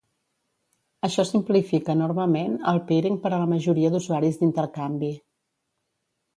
Això simplifica enormement el peering per a la majoria d'usuaris d'intercanvi.